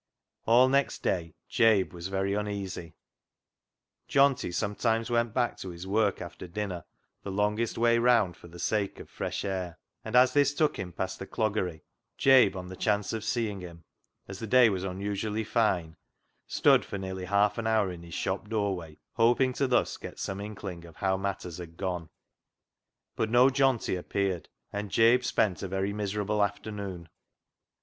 All next day Jabe was very uneasy. Johnty sometimes went back to his work after dinner the longest way round for the sake of fresh air, and as this took him past the cloggery, Jabe, on the chance of seeing him, — as the day was unusually fine, — stood for nearly half an hour in his shop doorway, hoping to thus get some inkling of how matters had gone. But no Johnty appeared, and Jabe spent a very miserable afternoon.